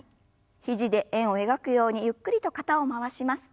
肘で円を描くようにゆっくりと肩を回します。